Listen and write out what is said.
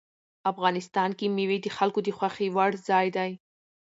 افغانستان کې مېوې د خلکو د خوښې وړ ځای دی.